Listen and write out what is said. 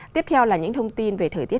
tiếp theo là những thông tin về thời tiết